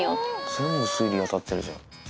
全部推理当たってるじゃん。